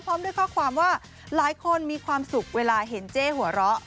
พร้อมด้วยข้อความว่าหลายคนมีความสุขเวลาเห็นเจ๊หัวเราะ